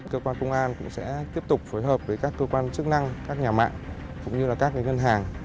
cơ quan công an cũng sẽ tiếp tục phối hợp với các cơ quan chức năng các nhà mạng cũng như là các ngân hàng